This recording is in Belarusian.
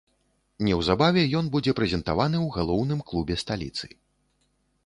Неўзабаве ён будзе прэзентаваны ў галоўным клубе сталіцы.